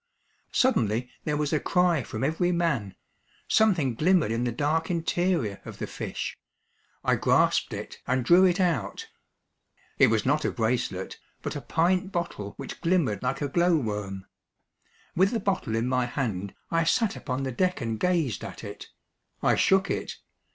Suddenly there was a cry from every man. Something glimmered in the dark interior of the fish. I grasped it and drew it out. It was not a bracelet, but a pint bottle which glimmered like a glow worm. With the bottle in my hand, I sat upon the deck and gazed at it. I shook it.